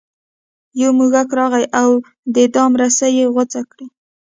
یو موږک راغی او د دام رسۍ یې غوڅې کړې.